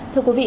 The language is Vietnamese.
thưa quý vị